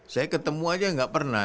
saya ketemu aja gak ada